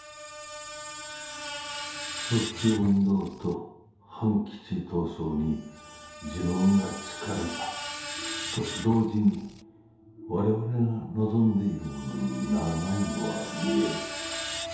「復帰運動と反基地闘争に自分がつかれたと同時にわれわれが望んでいるものにならないのは見える。